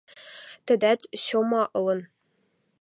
– Тӹдӓт, Сёма, ылын.